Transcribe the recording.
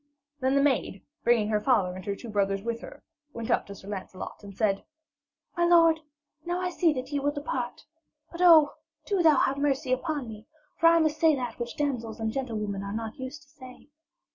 Then the maid, bringing her father and her two brothers with her, went up to Sir Lancelot and said: 'My lord, now I see that ye will depart. But oh, do thou have mercy upon me, for I must say that which damsels and gentlewomen are not used to say.'